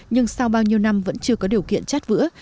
nhưng sau bao nhiêu năm vẫn chưa có điều kiện chát vữa